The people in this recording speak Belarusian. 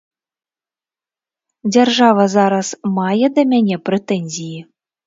Дзяржава зараз мае да мяне прэтэнзіі?